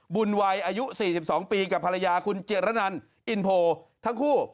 บุญวัยอายุ๔๒ปีกับภรรยาคุณเจรนันอินโพทั้งคู่